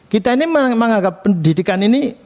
kita ini menganggap pendidikan ini